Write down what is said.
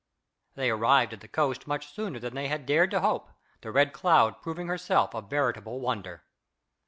They arrived at the coast much sooner than they had dared to hope, the Red Cloud proving herself a veritable wonder.